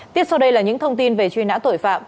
tiếp sau đây là những thông tin về truy nã tội phạm